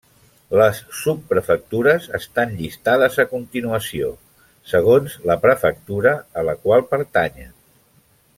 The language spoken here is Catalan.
Les subprefectures estan llistades a continuació segons la prefectura a la qual pertanyen.